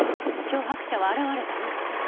脅迫者は現れたの？